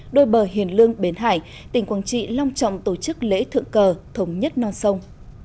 đôi bờ hiền lương bến hải tỉnh quảng trị long trọng tổ chức lễ thượng cờ thống nhất non sông